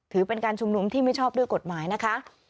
เป็นการชุมนุมที่ไม่ชอบด้วยกฎหมายนะคะ